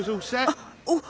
あっうっ。